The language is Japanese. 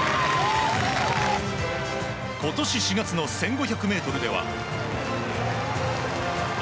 今年４月の１５００ｍでは。